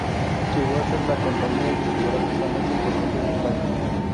Llegó a ser la compañía discográfica más importante de España.